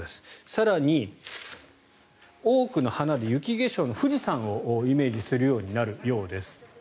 更に、多くの花で雪化粧の富士山をイメージするようになるようです。